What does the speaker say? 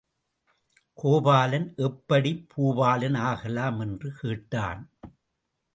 கோபாலன் எப்படிப் பூபாலன் ஆகலாம்? என்று கேட்டான்.